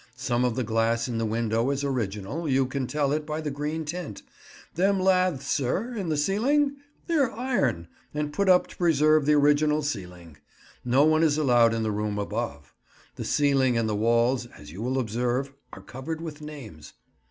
Some of the glass in the window is original; you can tell it by the green tint. Them laths, sir, in the ceiling? They're iron, and put up to preserve the original ceiling. No one is allowed in the room above. The ceiling and the walls, as you will observe, are covered with names.